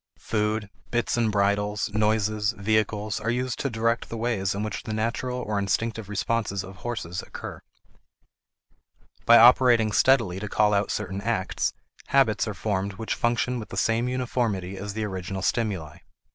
Food, bits and bridles, noises, vehicles, are used to direct the ways in which the natural or instinctive responses of horses occur. By operating steadily to call out certain acts, habits are formed which function with the same uniformity as the original stimuli.